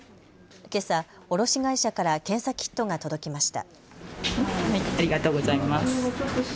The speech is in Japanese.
けさ、卸会社から検査キットが届きました。